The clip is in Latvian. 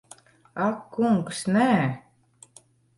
Ak kungs, nē.